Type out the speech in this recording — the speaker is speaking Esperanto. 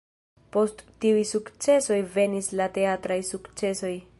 Post tiuj sukcesoj venis la teatraj sukcesoj.